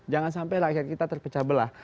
jangan sampai rakyat kita terpecah belah